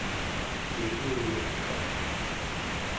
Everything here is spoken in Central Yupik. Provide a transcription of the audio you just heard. mikelngurkaq